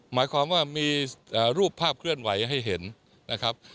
หมายความว่ามีรูปภาพเคลื่อนไหวให้เห็นนะครับ